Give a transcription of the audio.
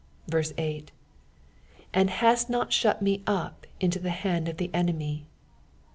" And ha\t not ihut me up into the hand of tht enemy."